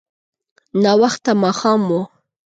ناوخته ماښام و.